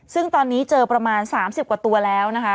ซึ่งตอนนี้เจอประมาณ๓๐กว่าตัวแล้วนะคะ